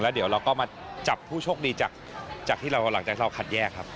เดี๋ยวเราก็มาจับผู้โชคดีจากที่เราหลังจากที่เราคัดแยกครับ